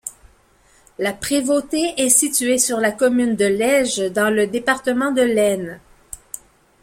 La prévôté est située sur la commune de Lesges, dans le département de l'Aisne.